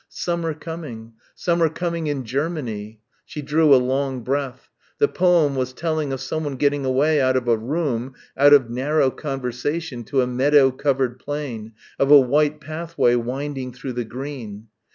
Summer coming. Summer coming in Germany. She drew a long breath. The poem was telling of someone getting away out of a room, out of "narrow conversation" to a meadow covered plain of a white pathway winding through the green.